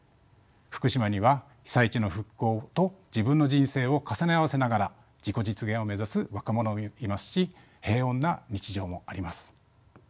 福島には被災地の復興と自分の人生を重ね合わせながら自己実現を目指す若者もいますし平穏な日常もあります。